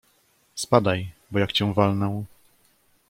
Spadaj, bo jak ci walnę...